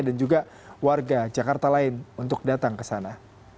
dan juga warga jakarta lain untuk datang ke sana